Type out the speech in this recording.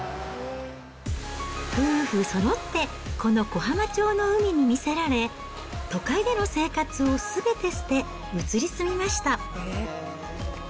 夫婦そろって、この小浜町の海に魅せられ、都会での生活をすべて捨て、移り住みました。